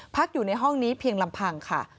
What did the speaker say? พักอยู่ในห้องนี้เพียงลำพังค่ะ